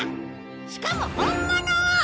しかも本物を！！